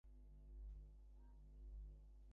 ইহাই তাহার জীবনে বিরাট সফলতার হেতু।